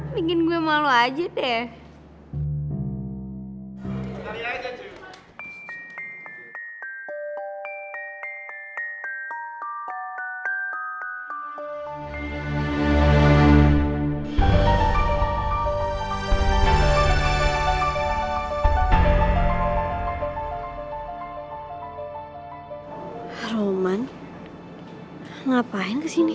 bikin gue malu aja deh